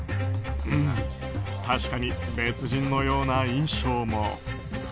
確かに別人のような印象も。